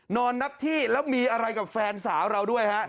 นอนนับที่แล้วมีอะไรกับแฟนสาวเราด้วยฮะ